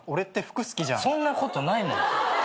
そんなことないのよ。